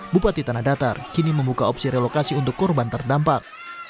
bupati tanah datar kini membuka opsi relokasi untuk korban terdampak